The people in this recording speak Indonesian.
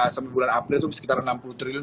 sampai bulan april itu sekitar enam puluh triliun